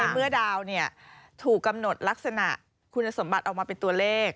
เมื่อดาวถูกกำหนดลักษณะคุณสมบัติออกมาเป็นตัวเลข